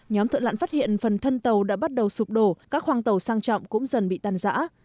nhóm thợ lặn phát hiện phần thân tàu đã bắt đầu sụp đổ các khoang tàu sang trọng cũng dần bị tàn giã